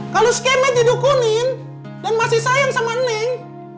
kalau si kemet hidup kuning dan masih sayang sama nenek